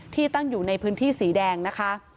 ที่ตั้งอยู่ในพื้นที่สีแดงนะคะ